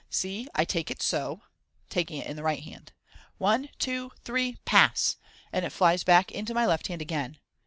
See, I take it so " (taking it in the right hand), " One, two, three ! Pass ! and it flies back into my left hand again.